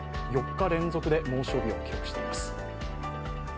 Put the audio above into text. ４日連続で猛暑日を記録しています